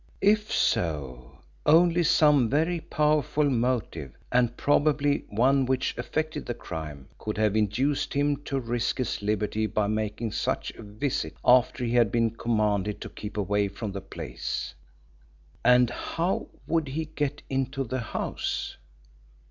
If so, only some very powerful motive, and probably one which affected the crime, could have induced him to risk his liberty by making such a visit after he had been commanded to keep away from the place. And how would he get into the house?